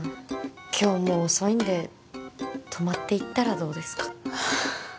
今日もう遅いんで泊まっていったらどうですか？